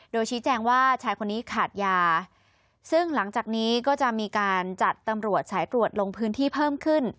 โดยชี้แจงว่าชายคนนี้ขาดยาซึ่งหลังจากนี้ก็จะมีการจัดตำรวจสายตรวจลงพื้นที่เพิ่มขึ้น